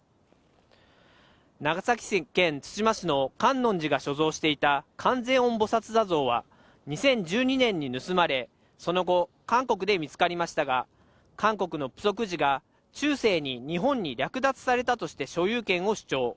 長崎県対馬市の観音寺が所蔵していた観世音菩薩坐像は２０１２年に盗まれ、その後、韓国で見つかりましたが、韓国のプソク寺が中世に日本に略奪されたとして所有権を主張。